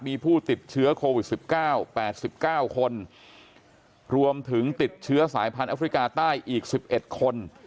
มีผู้ติดเชื้อโควิดสิบเก้าแปดสิบเก้าคนรวมถึงติดเชื้อสายพันธุ์แอฟริกาใต้อีกสิบเอ็ดคน